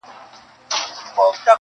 څوک دي نه ګوري و علم او تقوا ته,